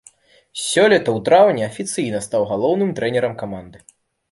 Сёлета ў траўні афіцыйна стаў галоўным трэнерам каманды.